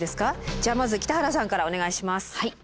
じゃあまず北原さんからお願いします。